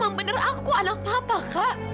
emang bener aku anak papa kak